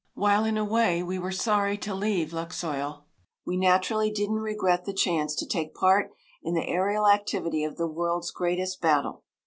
While in a way we were sorry to leave Luxeuil, we naturally didn't regret the chance to take part in the aërial activity of the world's greatest battle.